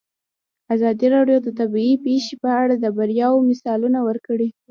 ازادي راډیو د طبیعي پېښې په اړه د بریاوو مثالونه ورکړي.